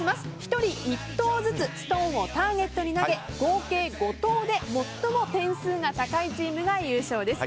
１人１投ずつストーンをターゲットに投げ合計５投で最も点数が高いチームが優勝です。